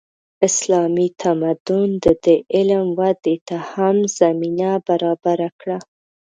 اسلامي تمدن د دې علم ودې ته هم زمینه برابره کړه.